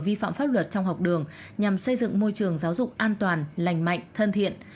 vi phạm pháp luật trong học đường nhằm xây dựng môi trường giáo dục an toàn lành mạnh thân thiện